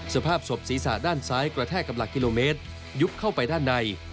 สภาพศพศีรษะด้านซ้ายกระแทกกับหลักกิโลเมตรยุบเข้าไปด้านใน